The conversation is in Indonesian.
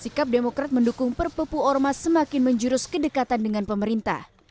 sikap demokrat mendukung perpupu ormas semakin menjurus kedekatan dengan pemerintah